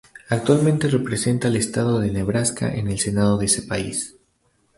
Actualmente representa al estado de Nebraska en el Senado de ese país.